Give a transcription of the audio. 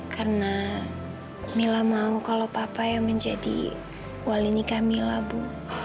karena mila mau kalau papa yang menjadi wali nikah mila bu